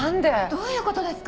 どういう事ですか？